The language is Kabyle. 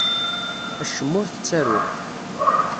Acemma ur t-ttaruɣ.